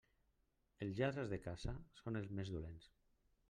Els lladres de casa són els més dolents.